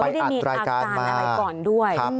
ไปอัดรายการมาไม่ได้มีอาการอะไรก่อนด้วย